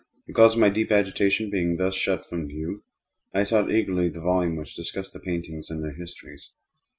The cause of my deep agitation being thus shut from view, I sought eagerly the volume which discussed the paintings and their histories.